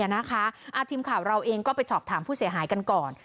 อะนะคะอ่าทีมข่าวเราเองก็ไปชอบถามผู้เสียหายกันก่อน